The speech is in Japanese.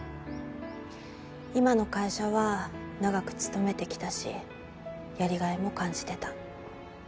今の会社は長く勤めてきたしやりがいも感じてた。